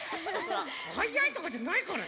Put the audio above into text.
「はやい」とかじゃないからね！